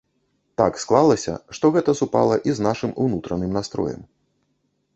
Так склалася, што гэта супала і з нашым унутраным настроем.